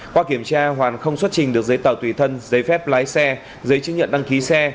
qua kiểm tra hoàn không xuất trình được giấy tờ tùy thân giấy phép lái xe giấy chứng nhận đăng ký xe